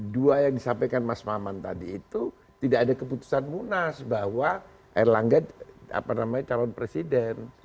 dua yang disampaikan mas maman tadi itu tidak ada keputusan munas bahwa erlangga calon presiden